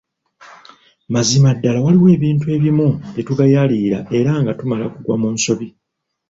Mazima ddala waliwo ebintu ebimu bye tugayaalirira era nga tumala kugwa mu nsobi.